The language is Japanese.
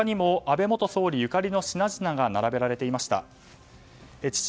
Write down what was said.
他にも安倍元総理ゆかりの品々が並べられていました。